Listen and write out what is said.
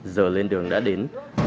giờ lên đường đã đến